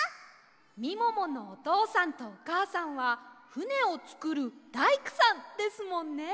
みもものおとうさんとおかあさんはふねをつくるだいくさんですもんね。